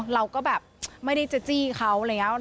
เราก็แบบไม่ได้จะจี้เขาอะไรอย่างนี้